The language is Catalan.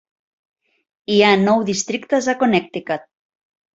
Hi ha nou districtes a Connecticut.